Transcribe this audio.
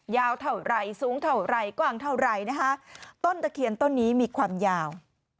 ยาวเท่าไหร่สูงเท่าไหร่กว้างเท่าไหร่นะคะต้นตะเคียนต้นนี้มีความยาว